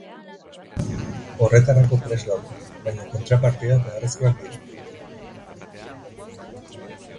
Horretarako prest gaude, baina kontrapartidak beharrezkoak dira.